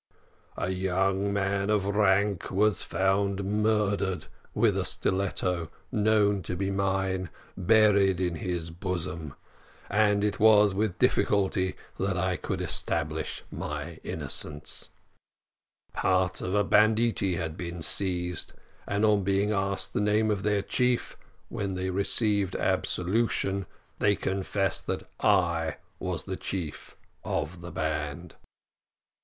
"A young man of rank was found murdered, with a stiletto, known to be mine, buried in his bosom, and it was with difficulty that I could establish my innocence. "Part of a banditti had been seized, and on being asked the name of their chief, when they received absolution, they confessed that I was the chief of the band.